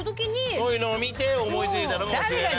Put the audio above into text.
そういうのを見て思い付いたのかもしれない。